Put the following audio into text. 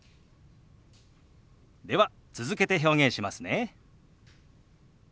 では続けて表現しますね。